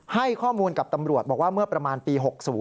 ให้ข้อมูลกับตำรวจบอกว่าเมื่อประมาณปี๖๐